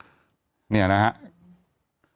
ก็หลังจากนั้นเนี่ยเขามาถึงมาสักตีหนึ่งกว่า